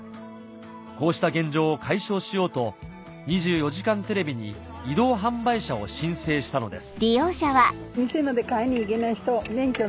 こうした現状を解消しようと『２４時間テレビ』に移動販売車を申請したのです